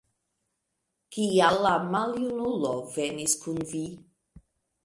Kial la maljunulo venis kun vi?